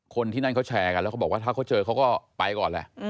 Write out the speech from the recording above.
คนที่นั่นเขาแชร์กันแล้วเขาบอกว่าถ้าเขาเจอเขาก็ไปก่อนแหละ